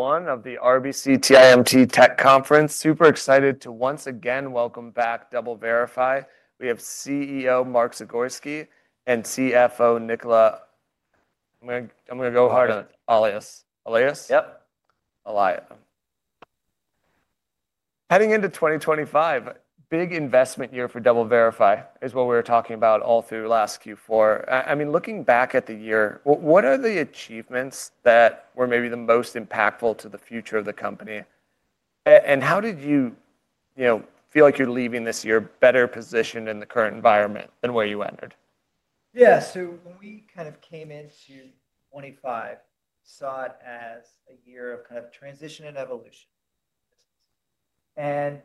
Day one of the RBC TIMT Tech Conference. Super excited to once again welcome back DoubleVerify. We have CEO Mark Zagorski and CFO Nicola. I'm going to go hard on Allais. Allais? Yep. Allais. Heading into 2025, big investment year for DoubleVerify is what we were talking about all through last Q4. I mean, looking back at the year, what are the achievements that were maybe the most impactful to the future of the company? How did you feel like you're leaving this year better positioned in the current environment than where you entered? Yeah. So when we kind of came into 2025, we saw it as a year of kind of transition and evolution.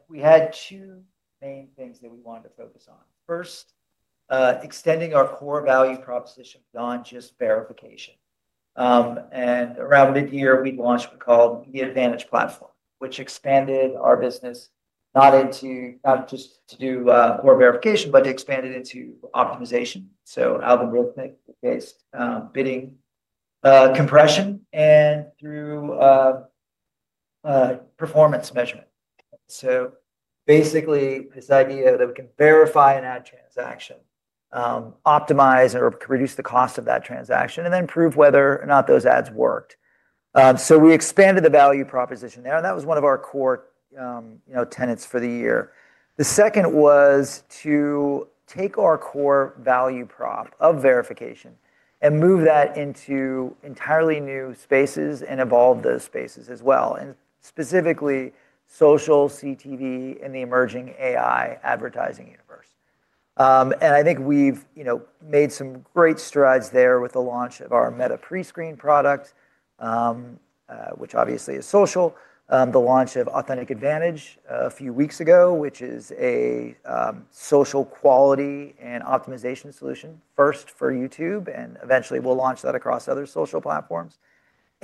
We had two main things that we wanted to focus on. First, extending our core value proposition beyond just verification. Around mid-year, we launched what we called the AdVantage Platform, which expanded our business not just to do core verification, but expanded into optimization. Algorithmic-based bidding, compression, and through performance measurement. Basically, this idea that we can verify an ad transaction, optimize or reduce the cost of that transaction, and then prove whether or not those ads worked. We expanded the value proposition there. That was one of our core tenets for the year. The second was to take our core value prop of verification and move that into entirely new spaces and evolve those spaces as well, specifically social, CTV, and the emerging AI advertising universe. I think we've made some great strides there with the launch of our Meta PreScreen product, which obviously is social. The launch of Authentic AdVantage a few weeks ago, which is a social quality and optimization solution first for YouTube, and eventually we'll launch that across other social platforms.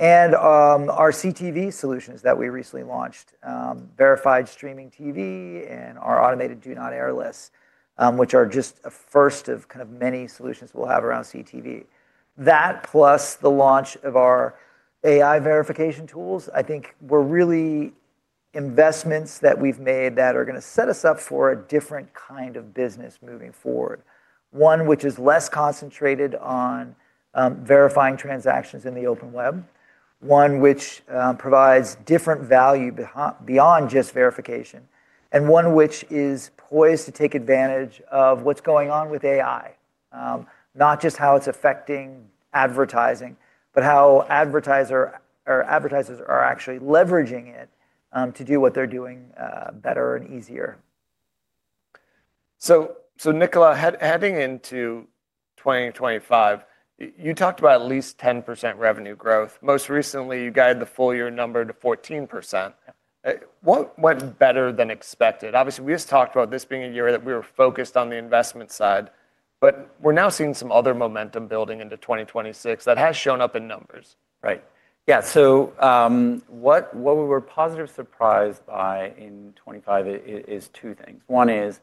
Our CTV solutions that we recently launched, Verified Streaming TV and our Automated "Do Not Air" lists, are just a first of kind of many solutions we'll have around CTV. That, plus the launch of our AI verification tools, I think were really investments that we've made that are going to set us up for a different kind of business moving forward. One which is less concentrated on verifying transactions in the open web, one which provides different value beyond just verification, and one which is poised to take advantage of what's going on with AI, not just how it's affecting advertising, but how advertisers are actually leveraging it to do what they're doing better and easier. Nicola, heading into 2025, you talked about at least 10% revenue growth. Most recently, you guided the full year number to 14%. What went better than expected? Obviously, we just talked about this being a year that we were focused on the investment side, but we're now seeing some other momentum building into 2026 that has shown up in numbers. Right. Yeah. What we were positively surprised by in 2025 is two things. One is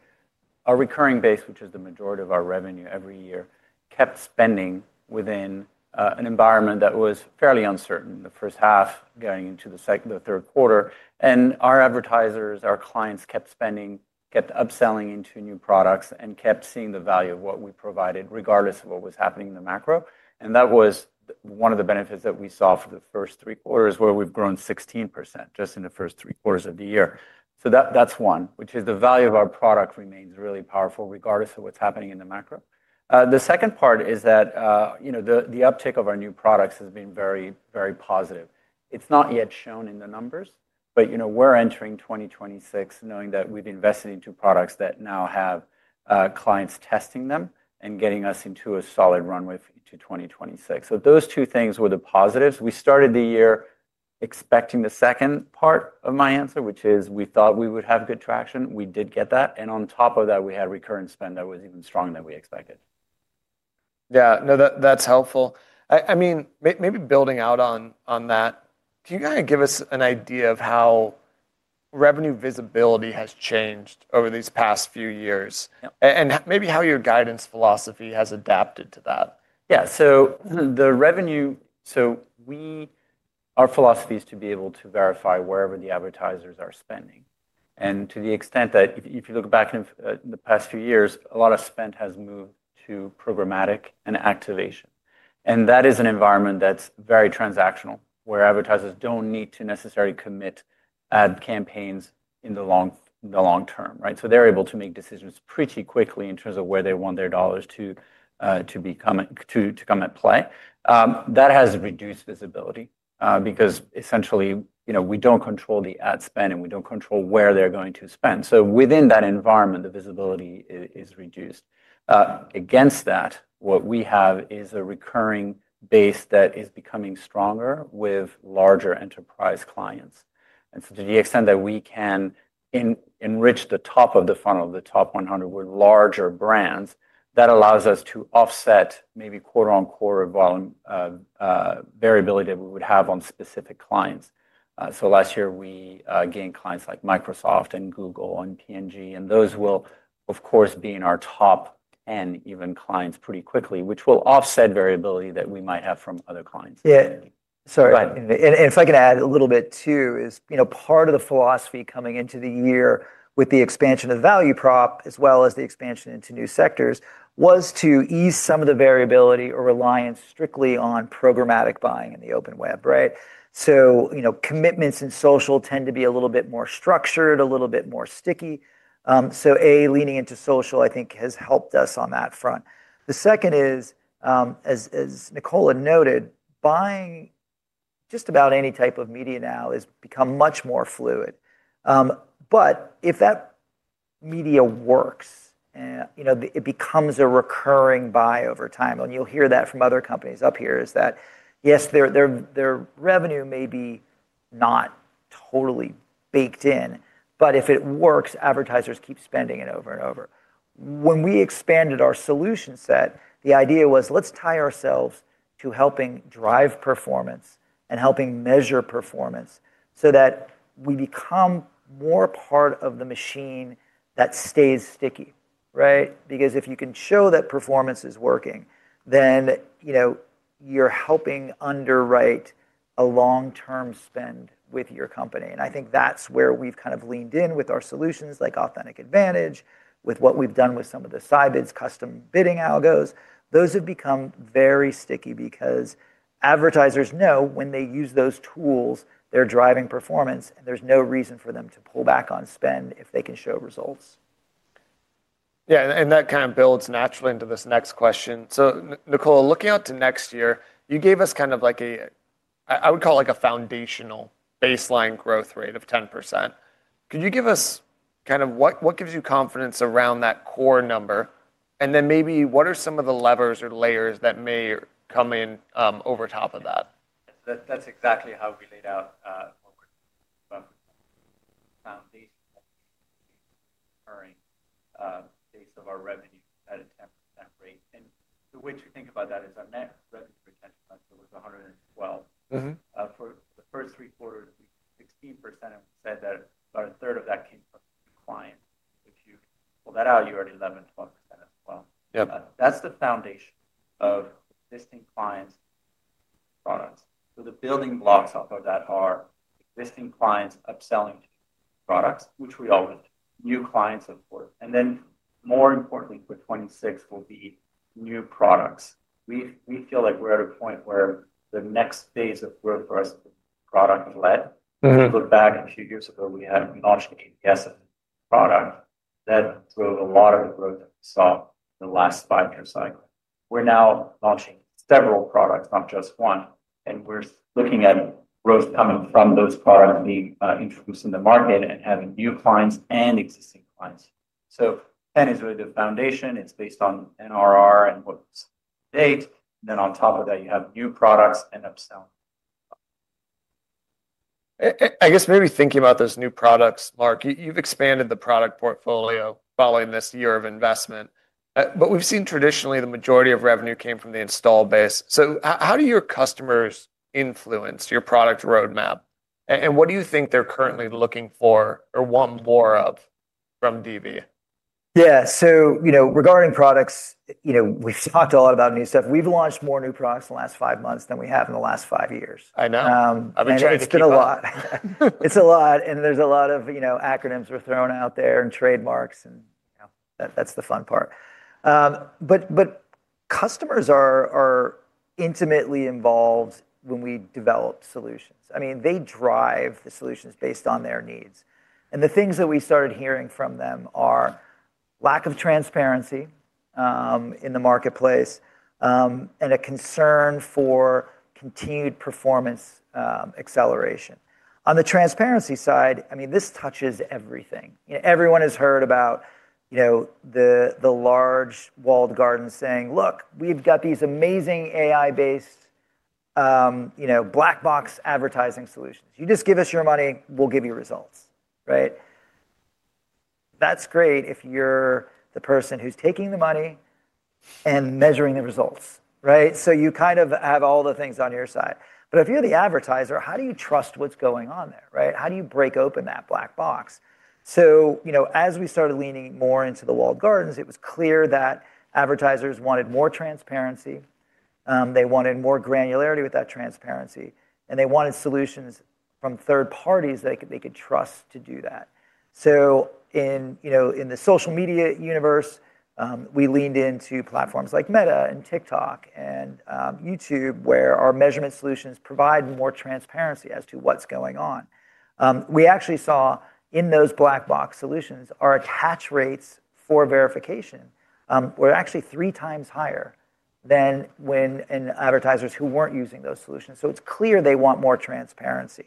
our recurring base, which is the majority of our revenue every year, kept spending within an environment that was fairly uncertain the first half going into the third quarter. Our advertisers, our clients kept spending, kept upselling into new products, and kept seeing the value of what we provided regardless of what was happening in the macro. That was one of the benefits that we saw for the first three quarters where we have grown 16% just in the first three quarters of the year. That is one, which is the value of our product remains really powerful regardless of what is happening in the macro. The second part is that the uptake of our new products has been very, very positive. It's not yet shown in the numbers, but we're entering 2026 knowing that we've invested into products that now have clients testing them and getting us into a solid runway into 2026. Those two things were the positives. We started the year expecting the second part of my answer, which is we thought we would have good traction. We did get that. On top of that, we had recurring spend that was even stronger than we expected. Yeah. No, that's helpful. I mean, maybe building out on that, can you kind of give us an idea of how revenue visibility has changed over these past few years and maybe how your guidance philosophy has adapted to that? Yeah. So the revenue, so our philosophy is to be able to verify wherever the advertisers are spending. To the extent that if you look back in the past few years, a lot of spend has moved to programmatic and activation. That is an environment that's very transactional where advertisers do not need to necessarily commit ad campaigns in the long term, right? They are able to make decisions pretty quickly in terms of where they want their dollars to come into play. That has reduced visibility because essentially we do not control the ad spend and we do not control where they are going to spend. Within that environment, the visibility is reduced. Against that, what we have is a recurring base that is becoming stronger with larger enterprise clients. To the extent that we can enrich the top of the funnel, the top 100 with larger brands, that allows us to offset maybe quarter-on-quarter variability that we would have on specific clients. Last year, we gained clients like Microsoft and Google and P&G. Those will, of course, be in our top 10 even clients pretty quickly, which will offset variability that we might have from other clients. Yeah. Sorry. If I can add a little bit too, part of the philosophy coming into the year with the expansion of value prop as well as the expansion into new sectors was to ease some of the variability or reliance strictly on programmatic buying in the open web, right? Commitments in social tend to be a little bit more structured, a little bit more sticky. A, leaning into social, I think, has helped us on that front. The second is, as Nicola noted, buying just about any type of media now has become much more fluid. If that media works, it becomes a recurring buy over time. You will hear that from other companies up here, that yes, their revenue may be not totally baked in, but if it works, advertisers keep spending it over and over. When we expanded our solution set, the idea was let's tie ourselves to helping drive performance and helping measure performance so that we become more part of the machine that stays sticky, right? Because if you can show that performance is working, then you're helping underwrite a long-term spend with your company. I think that's where we've kind of leaned in with our solutions like Authentic AdVantage, with what we've done with some of the Scibids, custom bidding algos. Those have become very sticky because advertisers know when they use those tools, they're driving performance, and there's no reason for them to pull back on spend if they can show results. Yeah. That kind of builds naturally into this next question. Nicola, looking out to next year, you gave us kind of like a, I would call it like a foundational baseline growth rate of 10%. Could you give us kind of what gives you confidence around that core number? And then maybe what are some of the levers or layers that may come in over top of that? That's exactly how we laid out what we found based on the recurring base of our revenue at a 10% rate. The way to think about that is our net revenue retention was 112%. For the first three quarters, we did 16%, and we said that about a third of that came from new clients. If you pull that out, you're at 11%-12% as well. That's the foundation of existing clients' products. The building blocks off of that are existing clients upselling to products, which we always do, new clients, of course. More importantly, for 2026, will be new products. We feel like we're at a point where the next phase of growth for us is product-led. If you look back a few years ago, we launched the ABS product that drove a lot of the growth that we saw in the last five-year cycle. We're now launching several products, not just one. We're looking at growth coming from those products being introduced in the market and having new clients and existing clients. Ten is really the foundation. It's based on NRR and what's to date. On top of that, you have new products and upselling. I guess maybe thinking about those new products, Mark, you've expanded the product portfolio following this year of investment, but we've seen traditionally the majority of revenue came from the install base. How do your customers influence your product roadmap? What do you think they're currently looking for or want more of from DV? Yeah. So regarding products, we've talked a lot about new stuff. We've launched more new products in the last five months than we have in the last five years. I know. I've been trying to keep. It's been a lot. It's a lot. There's a lot of acronyms we're throwing out there and trademarks. That's the fun part. Customers are intimately involved when we develop solutions. I mean, they drive the solutions based on their needs. The things that we started hearing from them are lack of transparency in the marketplace and a concern for continued performance acceleration. On the transparency side, I mean, this touches everything. Everyone has heard about the large walled garden saying, "Look, we've got these amazing AI-based black box advertising solutions. You just give us your money, we'll give you results," right? That's great if you're the person who's taking the money and measuring the results, right? You kind of have all the things on your side. If you're the advertiser, how do you trust what's going on there, right? How do you break open that black box? As we started leaning more into the walled gardens, it was clear that advertisers wanted more transparency. They wanted more granularity with that transparency. They wanted solutions from third parties they could trust to do that. In the social media universe, we leaned into platforms like Meta and TikTok and YouTube where our measurement solutions provide more transparency as to what's going on. We actually saw in those black box solutions, our attach rates for verification were actually three times higher than when advertisers who were not using those solutions. It is clear they want more transparency.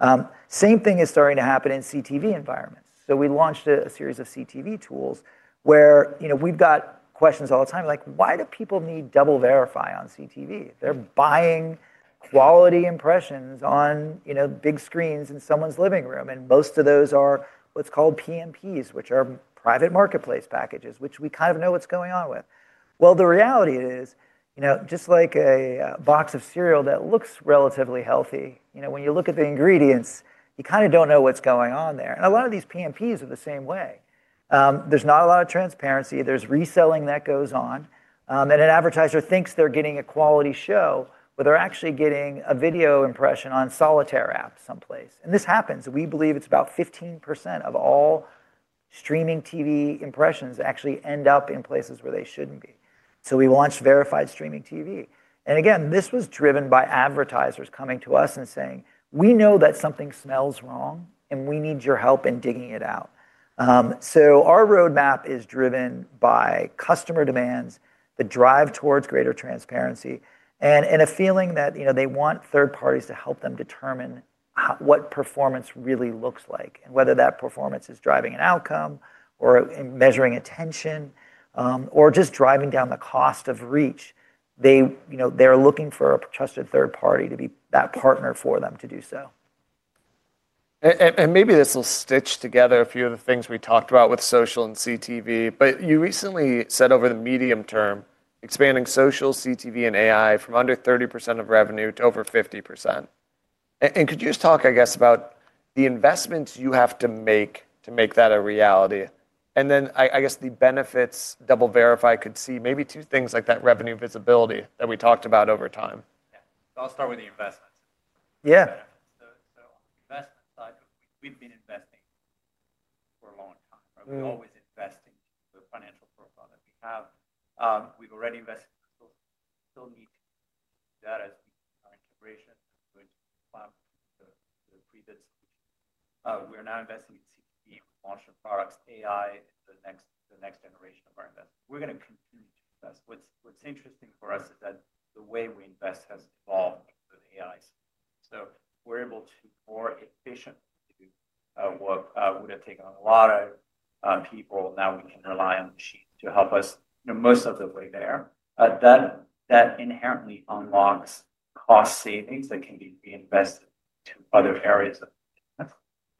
The same thing is starting to happen in CTV environments. We launched a series of CTV tools where we have questions all the time, like, "Why do people need DoubleVerify on CTV? They're buying quality impressions on big screens in someone's living room. Most of those are what's called PMPs, which are private marketplace packages, which we kind of know what's going on with. The reality is just like a box of cereal that looks relatively healthy, when you look at the ingredients, you kind of don't know what's going on there. A lot of these PMPs are the same way. There's not a lot of transparency. There's reselling that goes on. An advertiser thinks they're getting a quality show, but they're actually getting a video impression on Solitaire app someplace. This happens. We believe it's about 15% of all streaming TV impressions actually end up in places where they shouldn't be. We launched Verified Streaming TV. This was driven by advertisers coming to us and saying, "We know that something smells wrong, and we need your help in digging it out." Our roadmap is driven by customer demands that drive towards greater transparency and a feeling that they want third parties to help them determine what performance really looks like and whether that performance is driving an outcome or measuring attention or just driving down the cost of reach. They're looking for a trusted third party to be that partner for them to do so. Maybe this will stitch together a few of the things we talked about with social and CTV, but you recently said over the medium term, expanding social, CTV, and AI from under 30% of revenue to over 50%. Could you just talk, I guess, about the investments you have to make to make that a reality? I guess the benefits DoubleVerify could see, maybe two things like that revenue visibility that we talked about over time. Yeah. I'll start with the investments. On the investment side, we've been investing for a long time. We're always investing in the financial profile that we have. We've already invested in the resources. We still need to do that as we do our integration with the pre-bid solution. We are now investing in CTV. We've launched the products, AI, the next generation of our investments. We're going to continue to invest. What's interesting for us is that the way we invest has evolved with AI support. We're able to more efficiently do what would have taken a lot of people. Now we can rely on machines to help us most of the way there. That inherently unlocks cost savings that can be reinvested into other areas of business.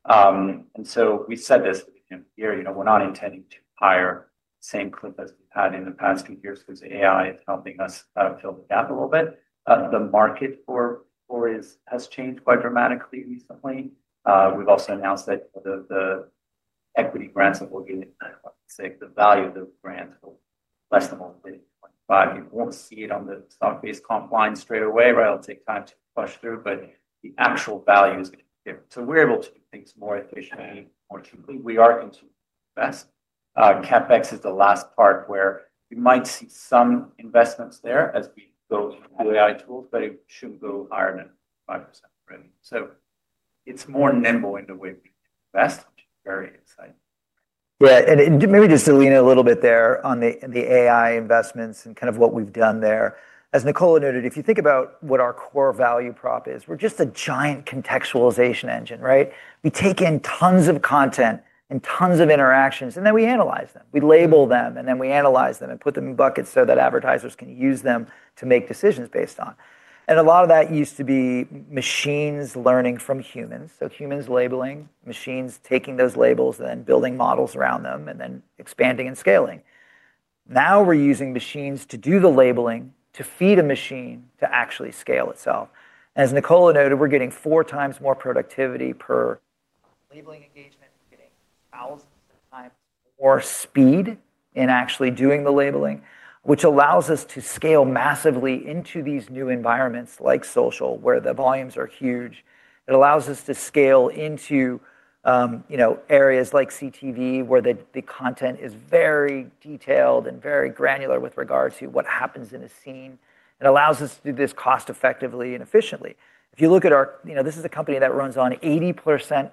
We said this at the beginning of the year. We're not intending to hire the same cliff as we've had in the past few years because AI is helping us fill the gap a little bit. The market for it has changed quite dramatically recently. We've also announced that the equity grants that we'll get, the value of the grants will be less than $1.5. You won't see it on the stock-based comp line straight away, right? It'll take time to flush through, but the actual value is going to be different. We are able to do things more efficiently, more cheaply. We are continuing to invest. CapEx is the last part where we might see some investments there as we go through new AI tools, but it shouldn't go higher than 5% already. It is more nimble in the way we invest, which is very exciting. Yeah. Maybe just to lean a little bit there on the AI investments and kind of what we've done there. As Nicola noted, if you think about what our core value prop is, we're just a giant contextualization engine, right? We take in tons of content and tons of interactions, and then we analyze them. We label them, and then we analyze them and put them in buckets so that advertisers can use them to make decisions based on. A lot of that used to be machines learning from humans. So humans labeling, machines taking those labels, and then building models around them, and then expanding and scaling. Now we're using machines to do the labeling to feed a machine to actually scale itself. As Nicola noted, we're getting four times more productivity per labeling engagement. We're getting thousands of times more speed in actually doing the labeling, which allows us to scale massively into these new environments like social where the volumes are huge. It allows us to scale into areas like CTV where the content is very detailed and very granular with regards to what happens in a scene. It allows us to do this cost-effectively and efficiently. If you look at our, this is a company that runs on 80%+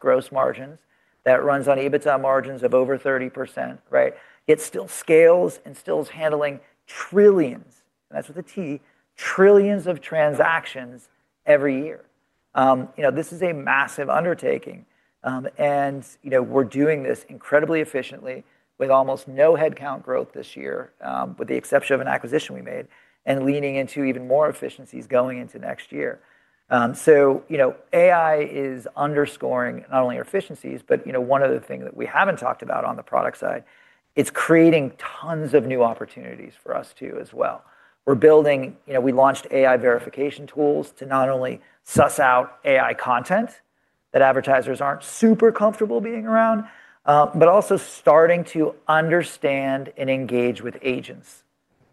gross margins, that runs on EBITDA margins of over 30%, right? It still scales and still is handling trillions, and that's with a T, trillions of transactions every year. This is a massive undertaking. We're doing this incredibly efficiently with almost no headcount growth this year, with the exception of an acquisition we made and leaning into even more efficiencies going into next year. AI is underscoring not only our efficiencies, but one of the things that we have not talked about on the product side, it is creating tons of new opportunities for us too as well. We launched AI verification tools to not only suss out AI content that advertisers are not super comfortable being around, but also starting to understand and engage with agents,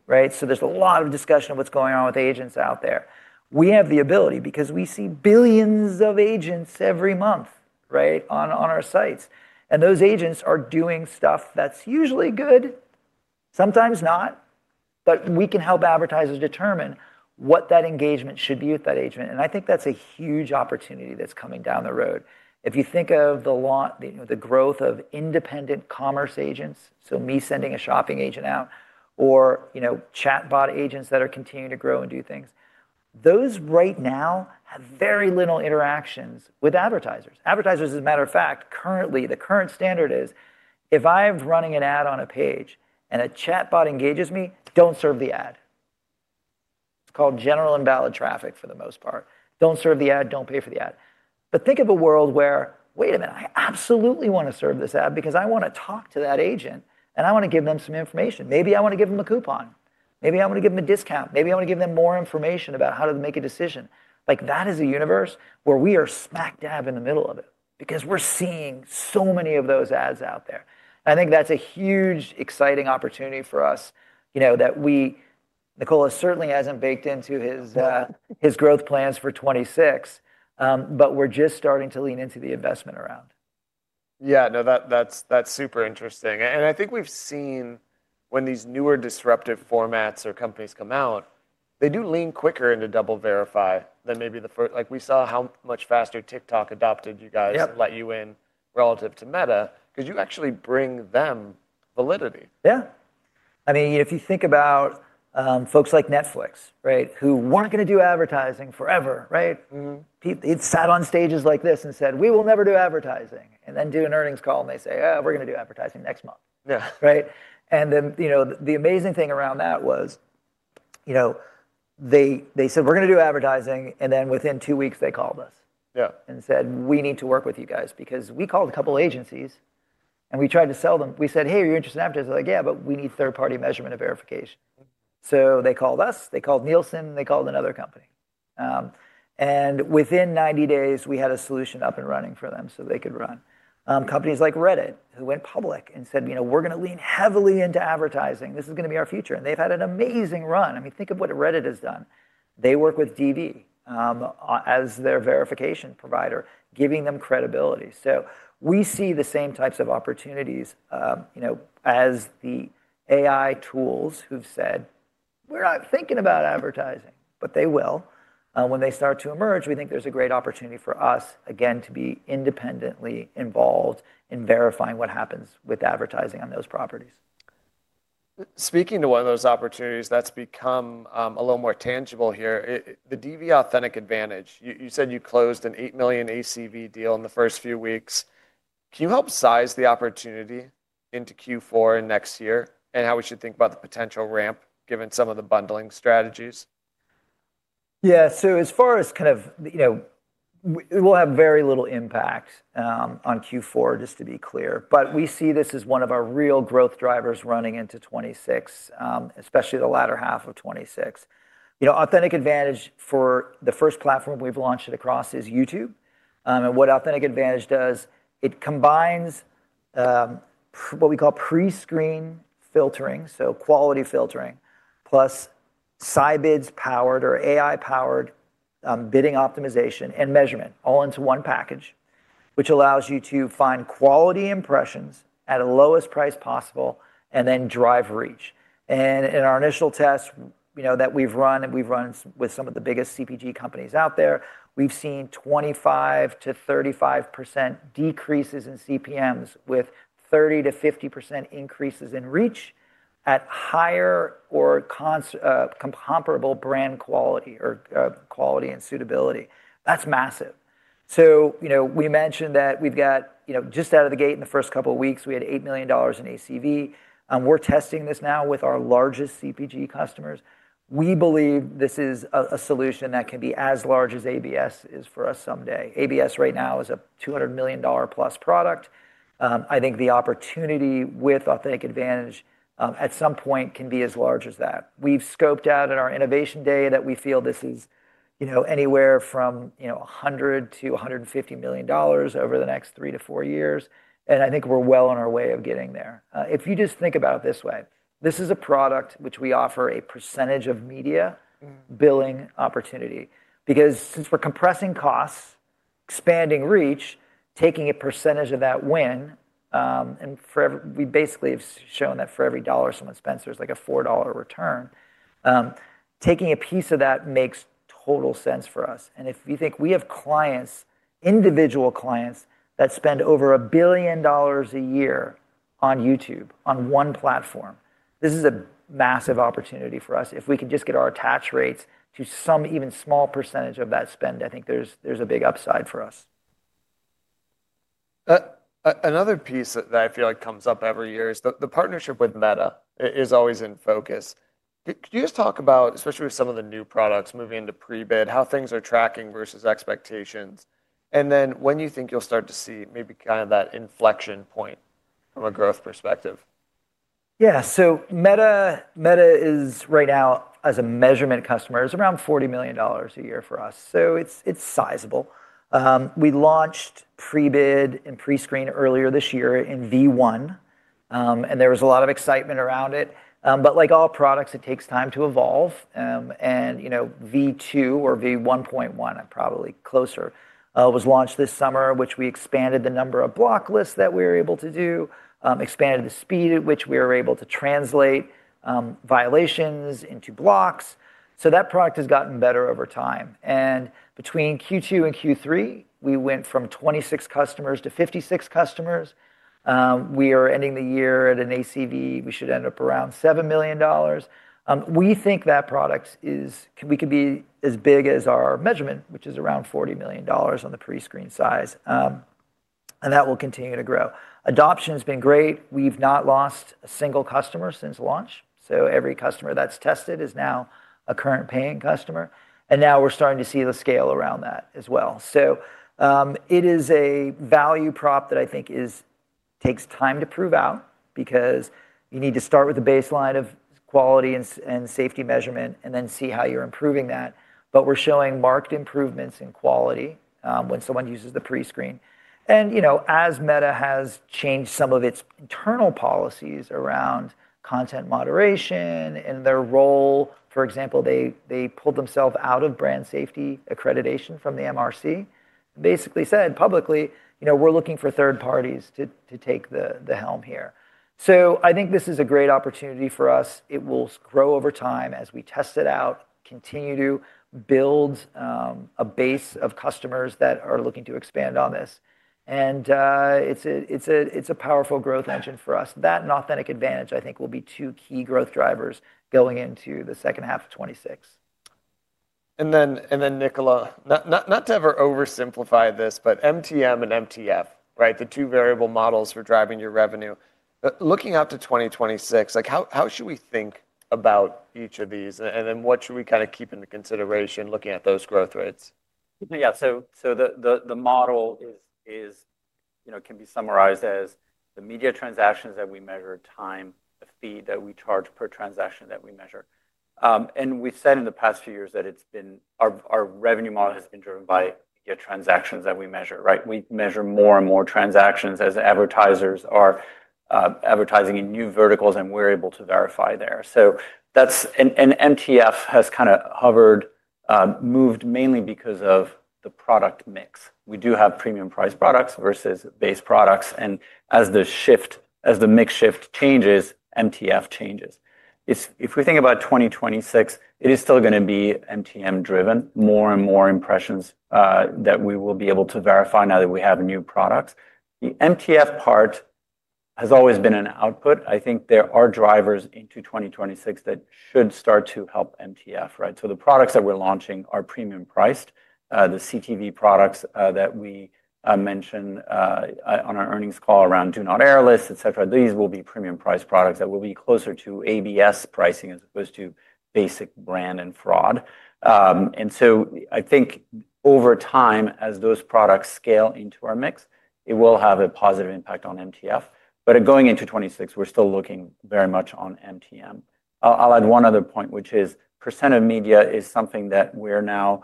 right? There is a lot of discussion of what is going on with agents out there. We have the ability because we see billions of agents every month, right, on our sites. Those agents are doing stuff that is usually good, sometimes not, but we can help advertisers determine what that engagement should be with that agent. I think that is a huge opportunity that is coming down the road. If you think of the growth of independent commerce agents, so me sending a shopping agent out or chatbot agents that are continuing to grow and do things, those right now have very little interactions with advertisers. Advertisers, as a matter of fact, currently, the current standard is if I'm running an ad on a page and a chatbot engages me, don't serve the ad. It's called general invalid traffic for the most part. Don't serve the ad, don't pay for the ad. Think of a world where, wait a minute, I absolutely want to serve this ad because I want to talk to that agent and I want to give them some information. Maybe I want to give them a coupon. Maybe I want to give them a discount. Maybe I want to give them more information about how to make a decision. That is a universe where we are smack dab in the middle of it because we're seeing so many of those ads out there. I think that's a huge exciting opportunity for us that we, Nicola, certainly hasn't baked into his growth plans for 2026, but we're just starting to lean into the investment around. Yeah. No, that's super interesting. I think we've seen when these newer disruptive formats or companies come out, they do lean quicker into DoubleVerify than maybe the first. We saw how much faster TikTok adopted you guys and let you in relative to Meta because you actually bring them validity. Yeah. I mean, if you think about folks like Netflix, right, who were not going to do advertising forever, right? They sat on stages like this and said, "We will never do advertising," and then do an earnings call and they say, "Oh, we are going to do advertising next month," right? The amazing thing around that was they said, "We are going to do advertising," and then within two weeks, they called us and said, "We need to work with you guys," because we called a couple of agencies and we tried to sell them. We said, "Hey, are you interested in advertising?" They are like, "Yeah, but we need third-party measurement of verification." They called us. They called Nielsen. They called another company. Within 90 days, we had a solution up and running for them so they could run. Companies like Reddit who went public and said, "We're going to lean heavily into advertising. This is going to be our future." They have had an amazing run. I mean, think of what Reddit has done. They work with DV as their verification provider, giving them credibility. We see the same types of opportunities as the AI tools who have said, "We're not thinking about advertising," but they will. When they start to emerge, we think there is a great opportunity for us, again, to be independently involved in verifying what happens with advertising on those properties. Speaking to one of those opportunities that's become a little more tangible here, the DV Authentic AdVantage, you said you closed an $8 million ACV deal in the first few weeks. Can you help size the opportunity into Q4 and next year and how we should think about the potential ramp given some of the bundling strategies? Yeah. As far as kind of we'll have very little impact on Q4, just to be clear, but we see this as one of our real growth drivers running into 2026, especially the latter half of 2026. Authentic AdVantage, for the first platform we've launched it across, is YouTube. What Authentic AdVantage does, it combines what we call pre-screen filtering, so quality filtering, plus Scibids-powered or AI-powered bidding optimization and measurement all into one package, which allows you to find quality impressions at the lowest price possible and then drive reach. In our initial tests that we've run, and we've run with some of the biggest CPG companies out there, we've seen 25%-35% decreases in CPMs with 30%-50% increases in reach at higher or comparable brand quality or quality and suitability. That's massive. We mentioned that we've got just out of the gate in the first couple of weeks, we had $8 million in ACV. We're testing this now with our largest CPG customers. We believe this is a solution that can be as large as ABS is for us someday. ABS right now is a $200 million+ product. I think the opportunity with Authentic AdVantage at some point can be as large as that. We scoped out in our innovation day that we feel this is anywhere from $100 million-$150 million over the next three to four years. I think we're well on our way of getting there. If you just think about it this way, this is a product which we offer a percentage of media billing opportunity because since we're compressing costs, expanding reach, taking a percentage of that win, and we basically have shown that for every dollar someone spends, there's like a $4 return. Taking a piece of that makes total sense for us. If you think we have clients, individual clients that spend over $1 billion a year on YouTube on one platform, this is a massive opportunity for us. If we can just get our attach rates to some even small percentage of that spend, I think there's a big upside for us. Another piece that I feel like comes up every year is the partnership with Meta is always in focus. Could you just talk about, especially with some of the new products moving into pre-bid, how things are tracking versus expectations, and then when you think you'll start to see maybe kind of that inflection point from a growth perspective? Yeah. So Meta is right now, as a measurement customer, is around $40 million a year for us. So it's sizable. We launched pre-bid and pre-screen earlier this year in V1, and there was a lot of excitement around it. Like all products, it takes time to evolve. V2 or V1.1, I'm probably closer, was launched this summer, which we expanded the number of block lists that we were able to do, expanded the speed at which we were able to translate violations into blocks. That product has gotten better over time. Between Q2 and Q3, we went from 26 customers to 56 customers. We are ending the year at an ACV. We should end up around $7 million. We think that product could be as big as our measurement, which is around $40 million on the pre-screen side, and that will continue to grow. Adoption has been great. We've not lost a single customer since launch. Every customer that's tested is now a current paying customer. Now we're starting to see the scale around that as well. It is a value prop that I think takes time to prove out because you need to start with the baseline of quality and safety measurement and then see how you're improving that. We're showing marked improvements in quality when someone uses the pre-screen. As Meta has changed some of its internal policies around content moderation and their role, for example, they pulled themselves out of brand safety accreditation from the MRC and basically said publicly, "We're looking for third parties to take the helm here." I think this is a great opportunity for us. It will grow over time as we test it out, continue to build a base of customers that are looking to expand on this. It is a powerful growth engine for us. That and Authentic Advantage, I think, will be two key growth drivers going into the second half of 2026. Nicola, not to ever oversimplify this, but MTM and MTF, right, the two variable models for driving your revenue, looking out to 2026, how should we think about each of these and then what should we kind of keep into consideration looking at those growth rates? Yeah. The model can be summarized as the media transactions that we measure, times the fee that we charge per transaction that we measure. We've said in the past few years that our revenue model has been driven by media transactions that we measure, right? We measure more and more transactions as advertisers are advertising in new verticals and we're able to verify there. MTF has kind of moved mainly because of the product mix. We do have premium-priced products versus base products. As the mix shift changes, MTF changes. If we think about 2026, it is still going to be MTM-driven, more and more impressions that we will be able to verify now that we have new products. The MTF part has always been an output. I think there are drivers into 2026 that should start to help MTF, right? The products that we're launching are premium-priced. The CTV products that we mentioned on our earnings call around Do Not Air List, etc., these will be premium-priced products that will be closer to ABS pricing as opposed to basic brand and fraud. I think over time, as those products scale into our mix, it will have a positive impact on MTF. Going into 2026, we're still looking very much on MTM. I'll add one other point, which is percent of media is something that we're now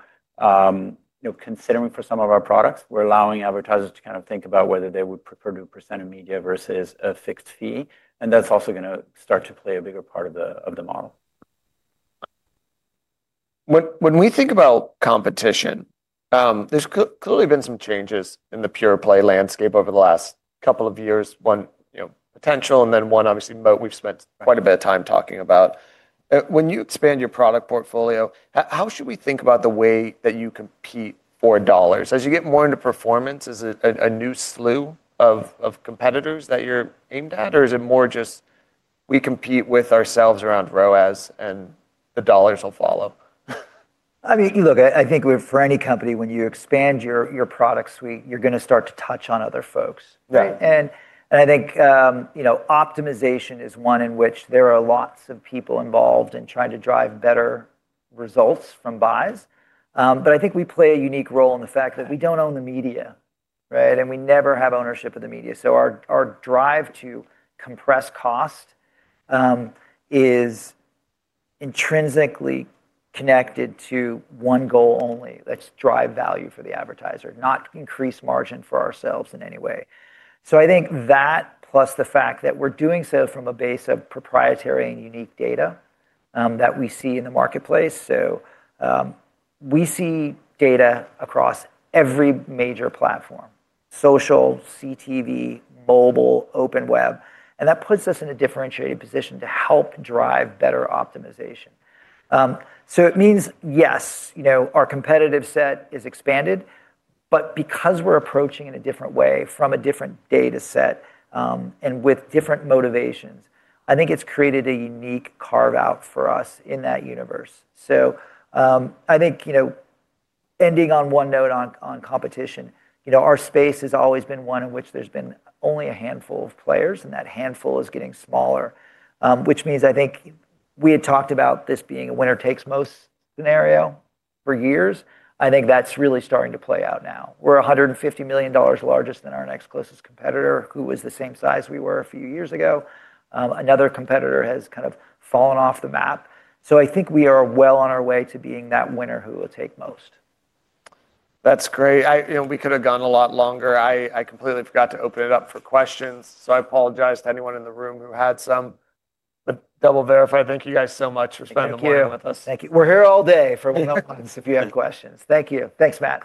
considering for some of our products. We're allowing advertisers to kind of think about whether they would prefer to do percent of media versus a fixed fee. That's also going to start to play a bigger part of the model. When we think about competition, there's clearly been some changes in the pure play landscape over the last couple of years, one potential and then one obviously we've spent quite a bit of time talking about. When you expand your product portfolio, how should we think about the way that you compete for dollars? As you get more into performance, is it a new slew of competitors that you're aimed at, or is it more just we compete with ourselves around ROAS and the dollars will follow? I mean, look, I think for any company, when you expand your product suite, you're going to start to touch on other folks. I think optimization is one in which there are lots of people involved in trying to drive better results from buys. I think we play a unique role in the fact that we don't own the media, right? We never have ownership of the media. Our drive to compress cost is intrinsically connected to one goal only, that's drive value for the advertiser, not increase margin for ourselves in any way. I think that plus the fact that we're doing so from a base of proprietary and unique data that we see in the marketplace. We see data across every major platform, social, CTV, mobile, open web. That puts us in a differentiated position to help drive better optimization. It means, yes, our competitive set is expanded, but because we're approaching in a different way from a different data set and with different motivations, I think it's created a unique carve-out for us in that universe. I think ending on one note on competition, our space has always been one in which there's been only a handful of players, and that handful is getting smaller, which means I think we had talked about this being a winner takes most scenario for years. I think that's really starting to play out now. We're $150 million larger than our next closest competitor, who was the same size we were a few years ago. Another competitor has kind of fallen off the map. I think we are well on our way to being that winner who will take most. That's great. We could have gone a lot longer. I completely forgot to open it up for questions, so I apologize to anyone in the room who had some. DoubleVerify, thank you guys so much for spending the morning with us. Thank you. We're here all day for one-on-ones if you have questions. Thank you. Thanks, Matt.